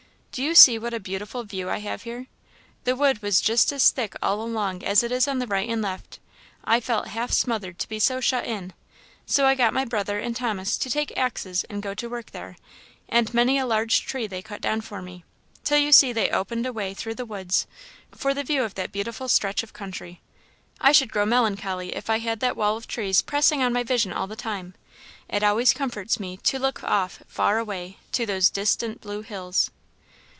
Do you see what a beautiful view I have here? The wood was just as thick all along as it is on the right and left; I felt half smothered to be so shut in, so I got my brother and Thomas to take axes and go to work there; and many a large tree they cut down for me, till you see they opened a way through the woods, for the view of that beautiful stretch of country. I should grow melancholy if I had that wall of trees pressing on my vision all the time; it always comforts me to look off, far away, to those distant blue hills."